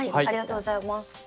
ありがとうございます。